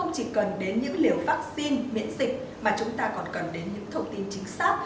chỉ cần đến những liều vaccine miễn dịch mà chúng ta còn cần đến những thông tin chính xác